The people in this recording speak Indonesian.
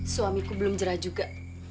suamiku belum jera juga